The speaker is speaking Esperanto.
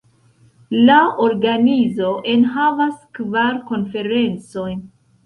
La organizo enhavas kvar konferencojn.